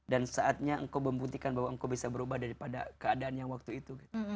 dan saatnya engkau membuktikan bahwa engkau bisa berubah daripada keadaannya waktu itu